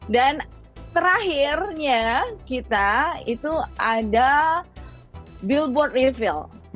dan terakhirnya kita itu ada billboard reveal